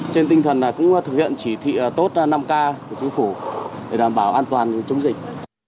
trên tinh thần cũng thực hiện chỉ thị tốt năm k của chính phủ để đảm bảo an toàn chống dịch